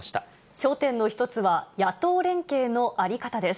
焦点の一つは野党連携の在り方です。